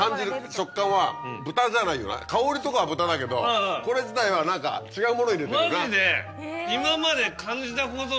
香りとかは豚だけどこれ自体は何か違うもの入れてるよな。